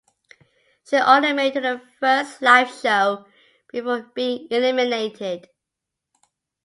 She only made to the first live show before being eliminated.